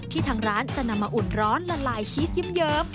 ทางร้านจะนำมาอุ่นร้อนละลายชีสเยิ้ม